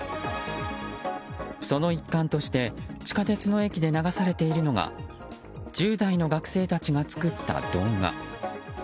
その一環として地下鉄の駅で流されているのが１０代の学生たちが作った動画。